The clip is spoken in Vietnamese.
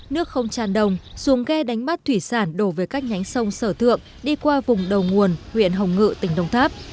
nước không tràn đồng xuống ghe đánh bắt thủy sản đổ về các nhánh sông sở thượng đi qua vùng đầu nguồn huyện hồng ngự tỉnh đồng tháp